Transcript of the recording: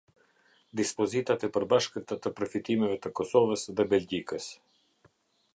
Dispozitat e përbashkëta të përfitimeve të Kosovës dhe Belgjikës.